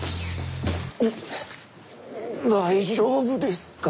大丈夫ですか？